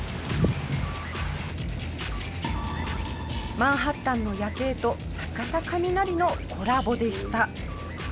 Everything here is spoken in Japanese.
マンハッタンの夜景と逆さ雷のコラボでした。